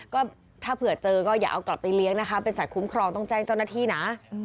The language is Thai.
ก็ถ้าเผื่อเจอก็อย่าเอากลับไปเลี้ยงนะคะเป็นสัตวคุ้มครองต้องแจ้งเจ้าหน้าที่นะ